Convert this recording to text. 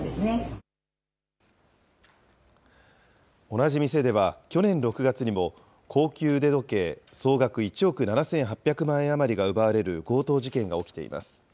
同じ店では、去年６月にも、高級腕時計総額１億７８００万円余りが奪われる強盗事件が起きています。